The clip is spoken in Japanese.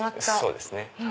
そうですね。